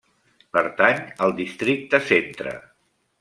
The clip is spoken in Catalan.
Pertany al districte Centre.